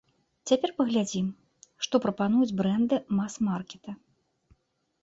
Цяпер паглядзім, што прапануюць брэнды мас-маркета.